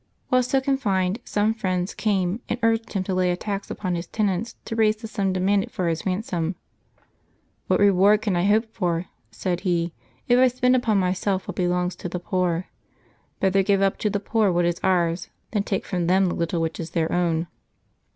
While so confined some friends came and urged him to lay a tax upon his tenants to raise the sum de manded for his ransom. '^ What reward can I hope for," said he, '* if I spend upon myself what belongs to the poor ? Better give up to the poor what is ours, than take from them the little which is their own."